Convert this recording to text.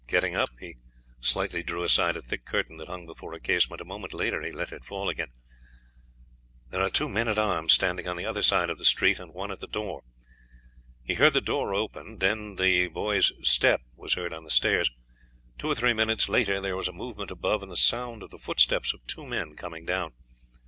Getting up, he slightly drew aside a thick curtain that hung before a casement, a moment later he let it fall again. "There are two men at arms standing on the other side of the street and one at the door." He heard the door opened, then the boy's step was heard on the stairs, two or three minutes later there was a movement above and the sound of the footsteps of two men coming down.